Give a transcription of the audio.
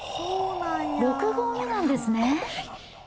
６合目なんですね。